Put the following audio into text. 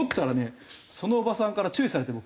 そのおばさんから注意されて僕。